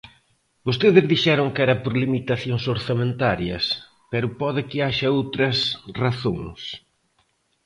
Vostedes dixeron que era por limitacións orzamentarias, pero pode que haxa outras razóns.